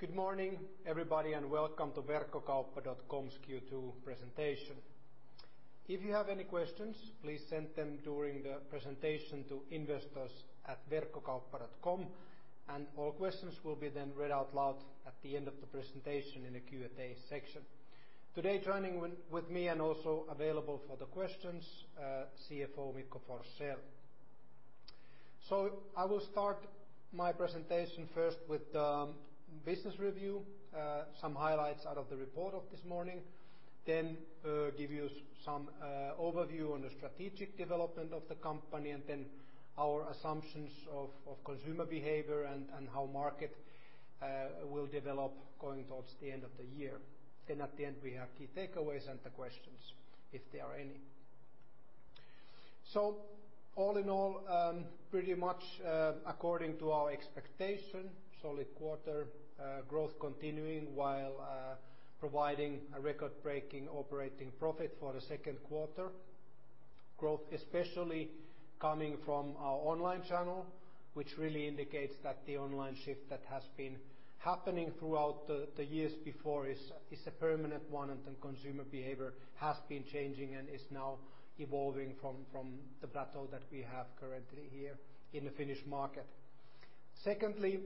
Good morning, everybody, and welcome to Verkkokauppa.com's Q2 presentation. If you have any questions, please send them during the presentation to investors@verkkokauppa.com. All questions will be then read out loud at the end of the presentation in the Q&A section. Today, joining with me and also available for the questions, CFO Mikko Forsell. I will start my presentation first with the business review, some highlights out of the report of this morning, then give you some overview on the strategic development of the company and then our assumptions of consumer behavior and how market will develop going towards the end of the year. At the end, we have key takeaways and the questions, if there are any. All in all, pretty much according to our expectation, solid quarter growth continuing while providing a record-breaking operating profit for the second quarter. Growth especially coming from our online channel, which really indicates that the online shift that has been happening throughout the years before is a permanent one, and then consumer behavior has been changing and is now evolving from the plateau that we have currently here in the Finnish market. Secondly,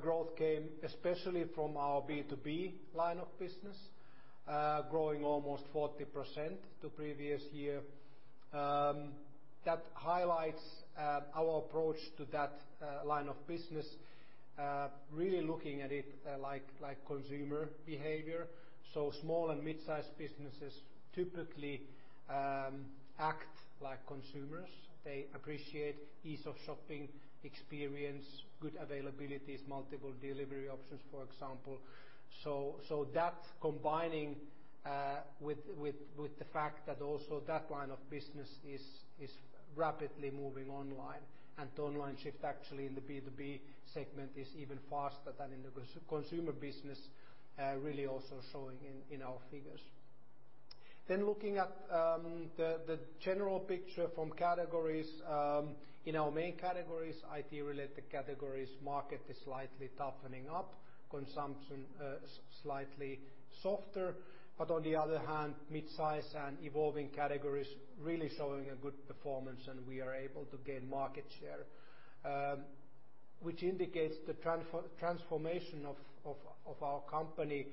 growth came especially from our B2B line of business, growing almost 40% to previous year. That highlights our approach to that line of business, really looking at it like consumer behavior. Small and mid-sized businesses typically act like consumers. They appreciate ease of shopping experience, good availabilities, multiple delivery options, for example. That combining with the fact that also that line of business is rapidly moving online, and the online shift actually in the B2B segment is even faster than in the consumer business, really also showing in our figures. Looking at the general picture from categories. In our main categories, IT-related categories market is slightly toughening up, consumption slightly softer. On the other hand, midsize and evolving categories really showing a good performance, and we are able to gain market share, which indicates the transformation of our company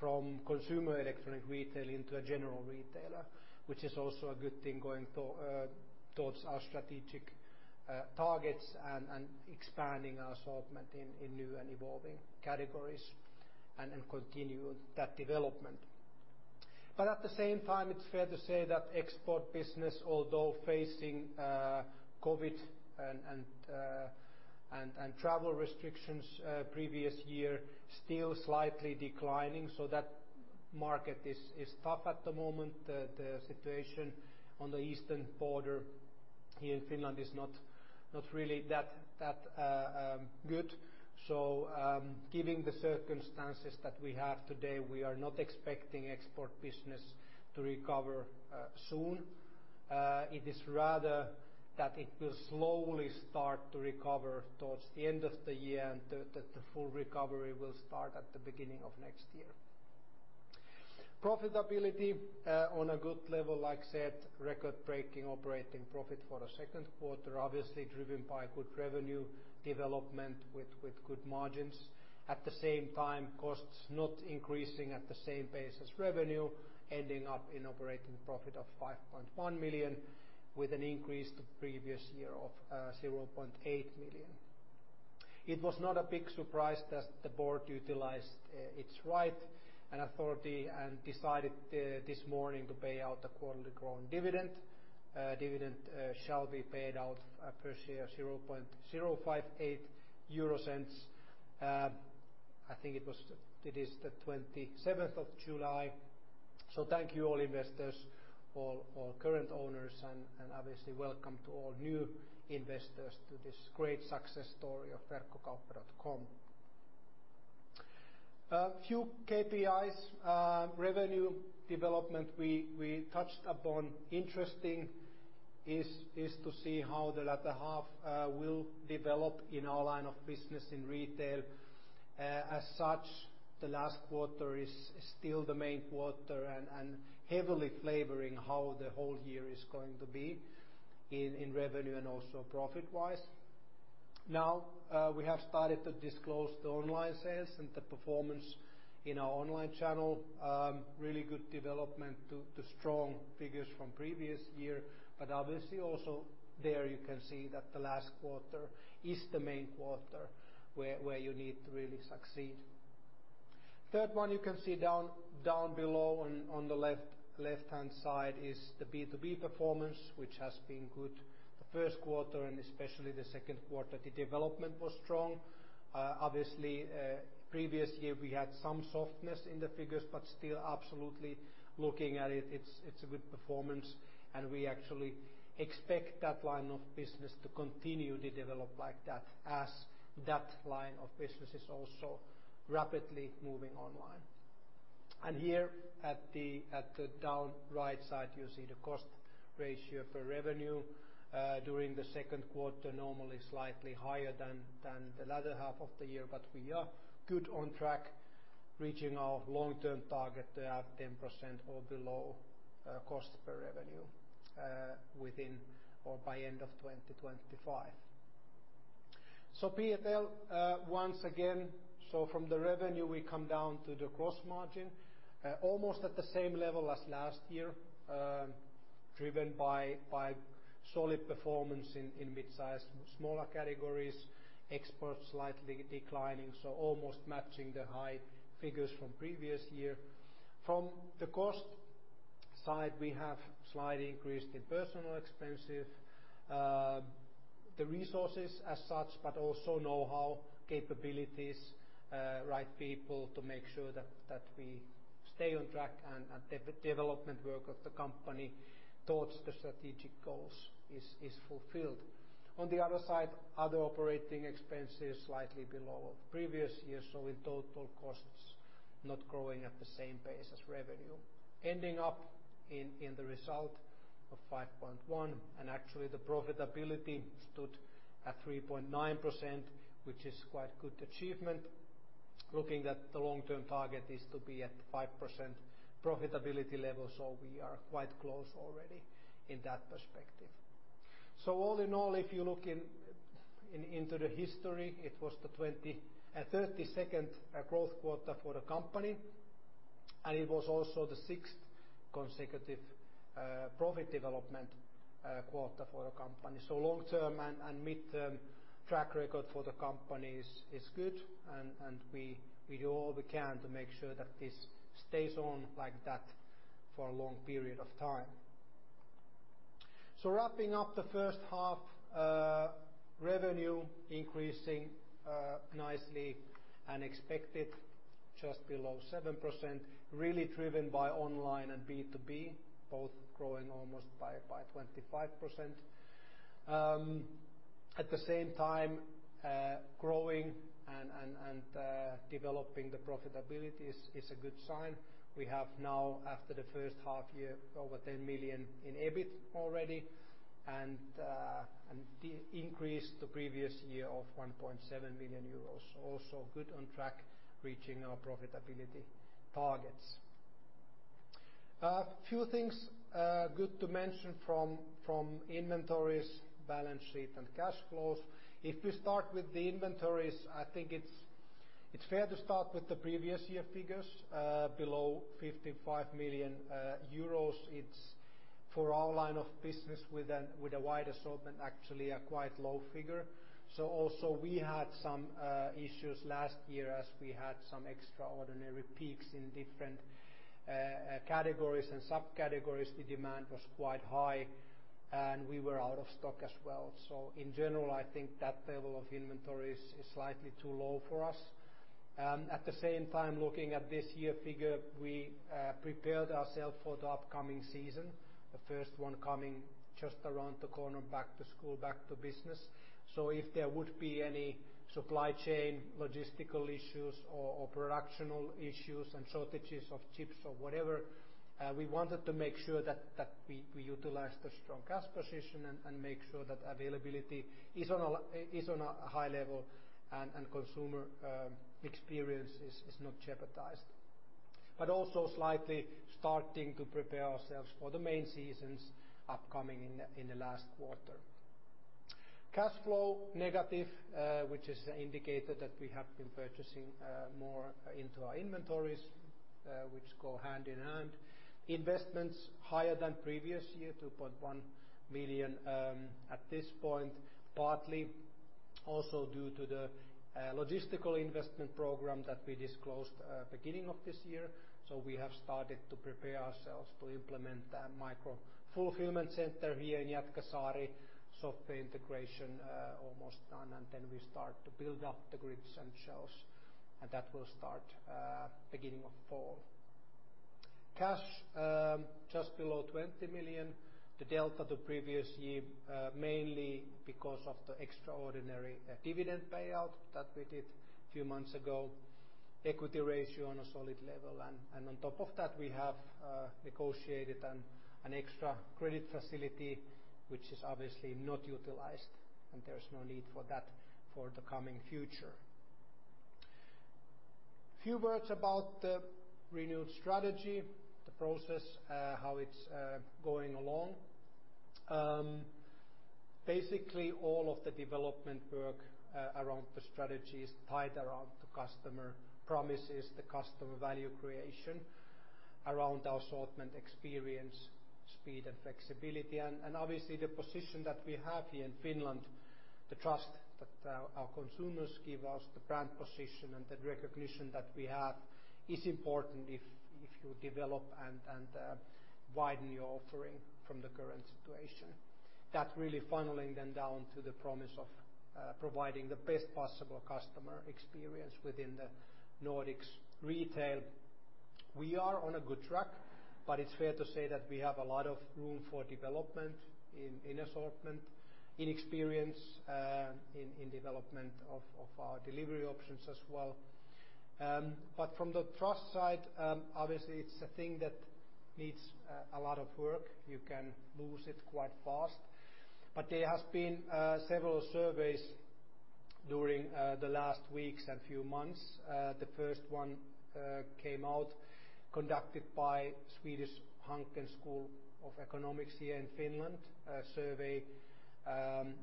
from consumer electronic retail into a general retailer, which is also a good thing going towards our strategic targets and expanding our assortment in new and evolving categories and continue that development. At the same time, it's fair to say that export business, although facing COVID and travel restrictions previous year, still slightly declining. That market is tough at the moment. The situation on the eastern border here in Finland is not really that good. Given the circumstances that we have today, we are not expecting export business to recover soon. It is rather that it will slowly start to recover towards the end of the year and that the full recovery will start at the beginning of next year. Profitability on a good level, like I said, record-breaking operating profit for Q2, obviously driven by good revenue development with good margins. At the same time, costs not increasing at the same pace as revenue, ending up in operating profit of 5.1 million, with an increase to previous year of 0.8 million. It was not a big surprise that the board utilized its right and authority and decided this morning to pay out a quarterly grown dividend. Dividend shall be paid out per share 0.00058. I think it is July 27th. Thank you all investors, all current owners, and obviously welcome to all new investors to this great success story of Verkkokauppa.com. A few KPIs. Revenue development we touched upon. Interesting is to see how the latter half will develop in our line of business in retail. As such, the last quarter is still the main quarter and heavily flavoring how the whole year is going to be in revenue and also profit-wise. Now, we have started to disclose the online sales and the performance in our online channel. Really good development to strong figures from previous year, but obviously also there you can see that the last quarter is the main quarter where you need to really succeed. Third one you can see down below on the left-hand side is the B2B performance, which has been good. The first quarter and especially the second quarter, the development was strong. Obviously, previous year we had some softness in the figures, but still absolutely looking at it's a good performance, and we actually expect that line of business to continue to develop like that as that line of business is also rapidly moving online. Here at the down right side, you see the cost ratio for revenue during the second quarter, normally slightly higher than the latter half of the year. We are good on track, reaching our long-term target at 10% or below cost per revenue within or by end of 2025. P&L once again. From the revenue, we come down to the gross margin, almost at the same level as last year, driven by solid performance in midsize, smaller categories, exports slightly declining, so almost matching the high figures from previous year. From the cost side, we have slightly increased in personnel expenses. The resources as such, but also know-how capabilities, right people to make sure that we stay on track and the development work of the company towards the strategic goals is fulfilled. On the other side, other operating expenses slightly below previous year, so in total costs not growing at the same pace as revenue. Ending up in the result of 5.1, and actually the profitability stood at 3.9%, which is quite good achievement, looking that the long-term target is to be at 5% profitability level. We are quite close already in that perspective. All in all, if you look into the history, it was the 32nd growth quarter for the company, and it was also the sixth consecutive profit development quarter for the company. Long-term and mid-term track record for the company is good, and we do all we can to make sure that this stays on like that for a long period of time. Wrapping up the first half, revenue increasing nicely and expected just below 7%, really driven by online and B2B, both growing almost by 25%. At the same time, growing and developing the profitability is a good sign. We have now, after the first half year, over EUR 10 million in EBIT already and increase the previous year of 1.7 million euros. Also good on track reaching our profitability targets. A few things good to mention from inventories, balance sheet, and cash flows. If we start with the inventories, I think it's fair to start with the previous year figures, below 55 million euros. It's, for our line of business with a wide assortment, actually a quite low figure. Also we had some issues last year as we had some extraordinary peaks in different categories and subcategories. The demand was quite high, and we were out of stock as well. In general, I think that level of inventory is slightly too low for us. At the same time, looking at this year figure, we prepared ourselves for the upcoming season, the first one coming just around the corner, back to school, back to business. If there would be any supply chain logistical issues or productional issues and shortages of chips or whatever, we wanted to make sure that we utilize the strong cash position and make sure that availability is on a high level and consumer experience is not jeopardized. Also slightly starting to prepare ourselves for the main seasons upcoming in the last quarter. Cash flow negative, which is indicated that we have been purchasing more into our inventories, which go hand-in-hand. Investments higher than previous year, 2.1 million at this point, partly also due to the logistical investment program that we disclosed beginning of this year. We have started to prepare ourselves to implement the micro-fulfillment center here in Jätkäsaari. Software integration almost done. We start to build up the grids and shelves, and that will start beginning of fall. Cash just below 20 million. The delta to previous year mainly because of the extraordinary dividend payout that we did few months ago. Equity ratio on a solid level. On top of that, we have negotiated an extra credit facility, which is obviously not utilized, and there's no need for that for the coming future. Few words about the renewed strategy, the process, how it's going along. Basically, all of the development work around the strategy is tied around the customer promises, the customer value creation around our assortment experience, speed, and flexibility. Obviously, the position that we have here in Finland, the trust that our consumers give us, the brand position, and the recognition that we have is important if you develop and widen your offering from the current situation, that really funneling then down to the promise of providing the best possible customer experience within the Nordics retail. We are on a good track, but it's fair to say that we have a lot of room for development in assortment, in experience, in development of our delivery options as well. From the trust side, obviously it's a thing that needs a lot of work. You can lose it quite fast. There has been several surveys during the last weeks and few months. The first one came out conducted by Swedish Hanken School of Economics here in Finland, a survey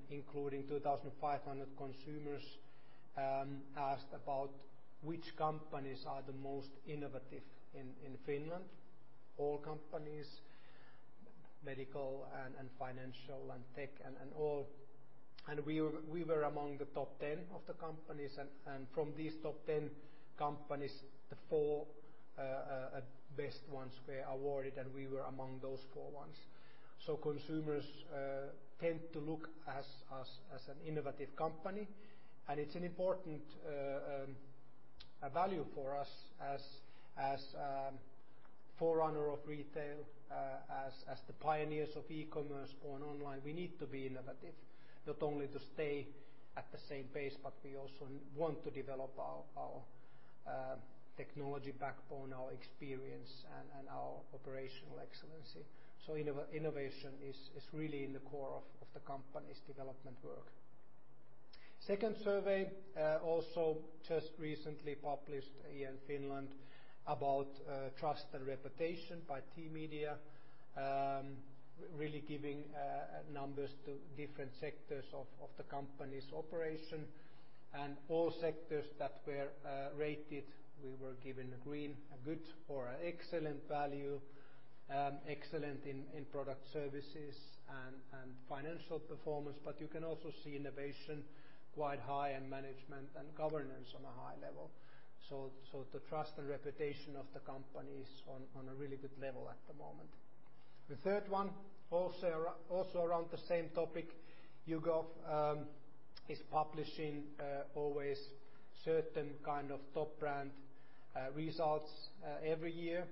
including 2,500 consumers asked about which companies are the most innovative in Finland, all companies, medical and financial and tech and all. We were among the top 10 of the companies. From these top 10 companies, the four best ones were awarded, and we were among those four ones. Consumers tend to look us as an innovative company, and it's an important value for us as forerunner of retail, as the pioneers of e-commerce born online. We need to be innovative, not only to stay at the same pace, but we also want to develop our technology backbone, our experience, and our operational excellency. Innovation is really in the core of the company's development work. Second survey, also just recently published here in Finland about trust and reputation by T-Media, really giving numbers to different sectors of the company's operation and all sectors that were rated, we were given a green, a good or excellent value, excellent in product services and financial performance. You can also see innovation quite high in management and governance on a high level. The trust and reputation of the company is on a really good level at the moment. The third one, also around the same topic, YouGov is publishing always certain kind of top brand results every year,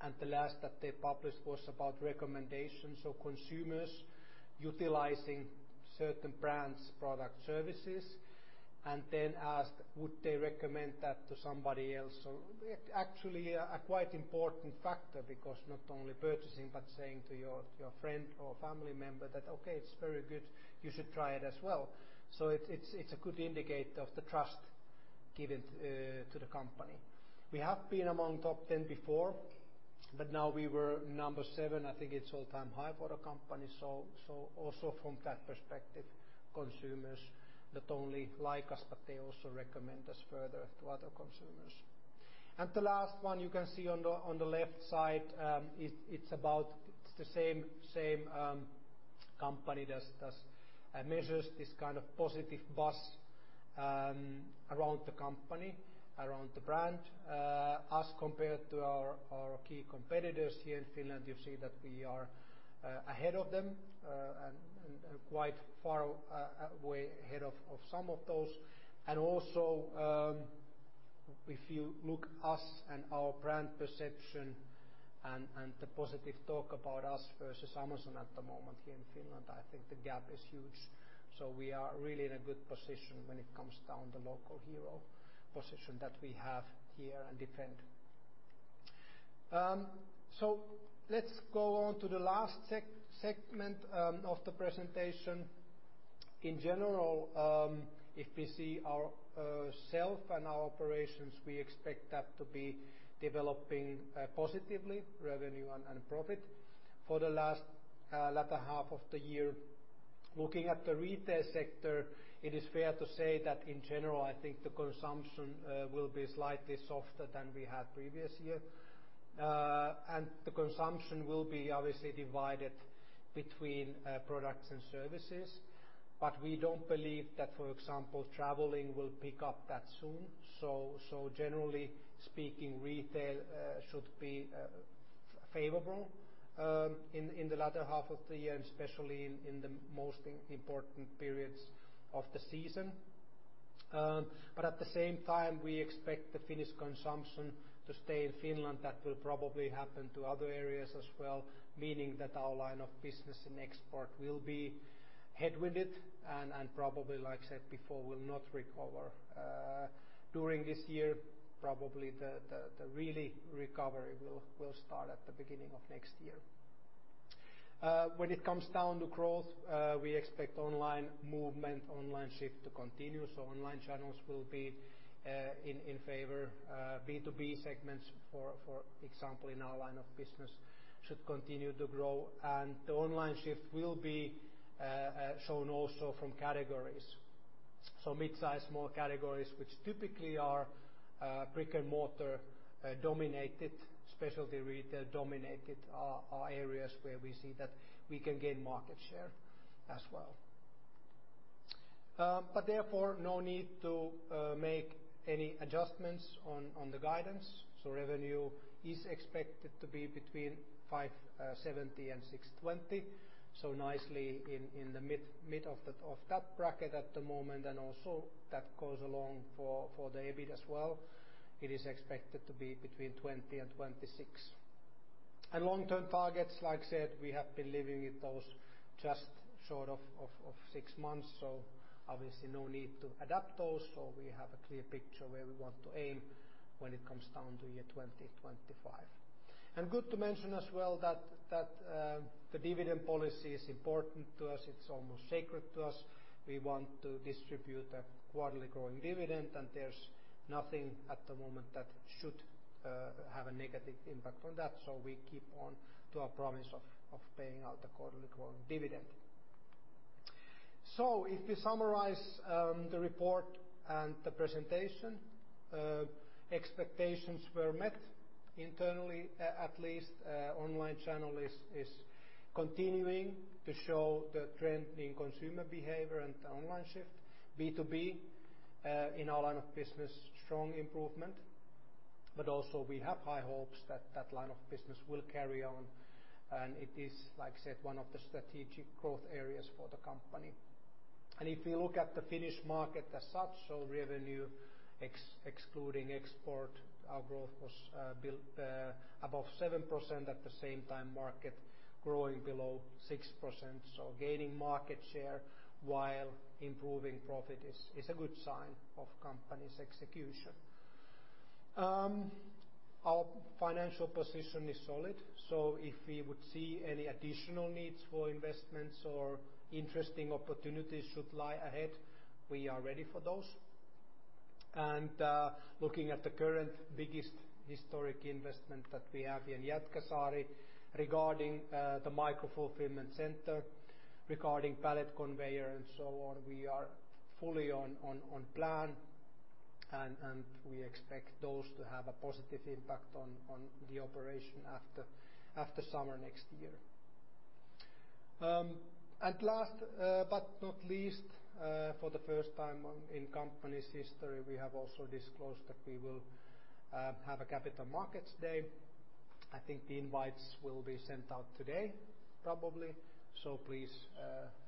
and the last that they published was about recommendations. Consumers utilizing certain brands, product, services, and then asked would they recommend that to somebody else. Actually, a quite important factor because not only purchasing, but saying to your friend or family member that, "Okay, it's very good. You should try it as well. It's a good indicator of the trust given to the company. We have been among top 10 before, but now we were number seven. I think it's all-time high for the company. Also from that perspective, consumers not only like us, but they also recommend us further to other consumers. The last one you can see on the left side, it's the same company that measures this kind of positive buzz around the company, around the brand. As compared to our key competitors here in Finland, you see that we are ahead of them, and quite far way ahead of some of those. Also, if you look us and our brand perception and the positive talk about us versus Amazon at the moment here in Finland, I think the gap is huge. We are really in a good position when it comes down the local hero position that we have here and defend. Let's go on to the last segment of the presentation. In general, if we see ourselves and our operations, we expect that to be developing positively, revenue and profit for the latter half of the year. Looking at the retail sector, it is fair to say that in general, I think the consumption will be slightly softer than we had previous year. The consumption will be obviously divided between products and services, but we don't believe that, for example, traveling will pick up that soon. Generally speaking, retail should be favorable in the latter half of the year and especially in the most important periods of the season. At the same time, we expect the Finnish consumption to stay in Finland. That will probably happen to other areas as well, meaning that our line of business in export will be headwinded and probably, like I said before, will not recover during this year. Probably the real recovery will start at the beginning of next year. When it comes down to growth, we expect online movement, online shift to continue, so online channels will be in favor. B2B segments, for example, in our line of business, should continue to grow and the online shift will be shown also from categories. Midsize, small categories, which typically are brick-and-mortar dominated, specialty retail-dominated are areas where we see that we can gain market share as well. Therefore, no need to make any adjustments on the guidance. Revenue is expected to be between 570 and 620, so nicely in the mid of that bracket at the moment. Also that goes along for the EBIT as well. It is expected to be between 20 and 26. Long-term targets, like I said, we have been living with those just short of six months, obviously, no need to adapt those. We have a clear picture where we want to aim when it comes down to year 2025. Good to mention as well that the dividend policy is important to us. It's almost sacred to us. We want to distribute a quarterly growing dividend, and there's nothing at the moment that should have a negative impact on that. We keep on to our promise of paying out the quarterly growing dividend. If you summarize the report and the presentation, expectations were met internally, at least. Online channel is continuing to show the trend in consumer behavior and the online shift. B2B, in our line of business, strong improvement. Also we have high hopes that that line of business will carry on. It is, like I said, one of the strategic growth areas for the company. If you look at the Finnish market as such, revenue excluding export, our growth was a bit above 7%. At the same time, market growing below 6%. Gaining market share while improving profit is a good sign of company's execution. Our financial position is solid. If we would see any additional needs for investments or interesting opportunities should lie ahead, we are ready for those. Looking at the current biggest historic investment that we have in Jätkäsaari regarding the micro-fulfillment center, regarding pallet conveyor and so on, we are fully on plan and we expect those to have a positive impact on the operation after summer next year. Last but not least, for the first time in company's history, we have also disclosed that we will have a Capital Markets Day. I think the invites will be sent out today, probably. Please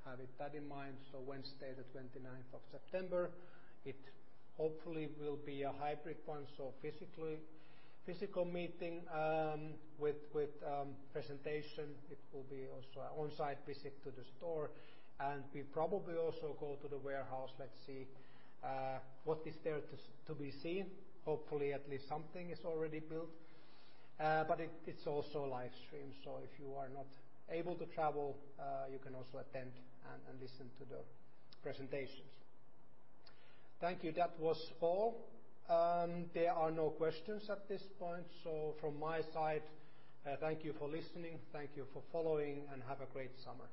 have that in mind. Wednesday September 29th. It hopefully will be a hybrid one, so physical meeting with presentation. It will be also an on-site visit to the store. We probably also go to the warehouse. Let's see what is there to be seen. Hopefully at least something is already built. It's also livestream. If you are not able to travel, you can also attend and listen to the presentations. Thank you. That was all. There are no questions at this point. From my side, thank you for listening. Thank you for following, and have a great summer.